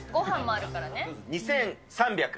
２３００。